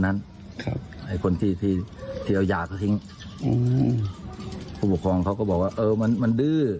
ไอ้คนที่ที่เอายาเขาทิ้งอืมผู้ปกครองเขาก็บอกว่าเออมันมันดื้อ